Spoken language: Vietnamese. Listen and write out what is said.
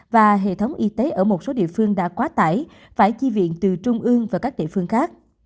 và hệ thống y tế ở một số địa phương đã quá tải phải chi viện từ trung ương và các địa phương khác